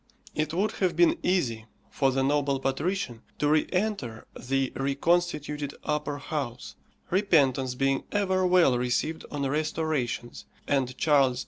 It would have been easy for the noble patrician to re enter the reconstituted upper house, repentance being ever well received on restorations, and Charles II.